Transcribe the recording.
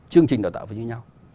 chương trình đào tạo phải như nhau